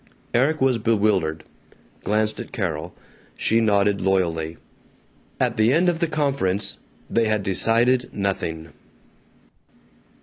Erik was bewildered; glanced at Carol. She nodded loyally. At the end of the conference they had decided nothing.